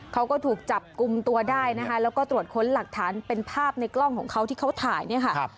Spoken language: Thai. เขาก็ถูกจับกลุ่มตัวได้นะคะแล้วก็ตรวจค้นหลักฐานเป็นภาพในกล้องของเขาที่เขาถ่ายเนี่ยค่ะ